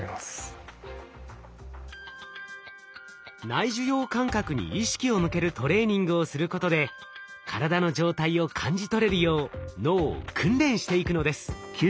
内受容感覚に意識を向けるトレーニングをすることで体の状態を感じ取れるよう脳を訓練していくのです。